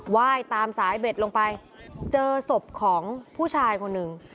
ว่ายตามสายเบ็ดลงไปเจอศพของผู้ชายคนหนึ่ง